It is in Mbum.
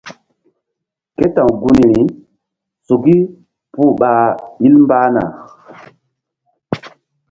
Ke ta̧w gunri suki puh ɓa ɓil mbah na.